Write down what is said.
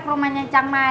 rumah nyencang mada